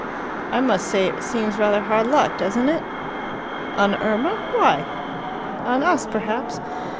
"I must say it seems rather hard luck, doesn't it?" "On Irma? Why?" "On us, perhaps.